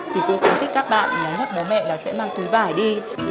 thì tôi cảm thích các bạn nhớ nhớ bố mẹ là sẽ mang túi vải đi